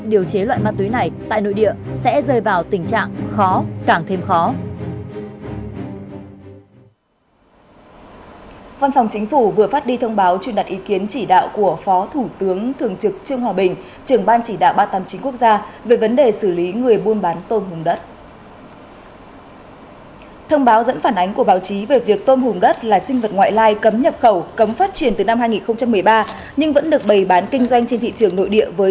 điều chế loại ma túy này tại nội địa sẽ rơi vào tình trạng khó càng thêm khó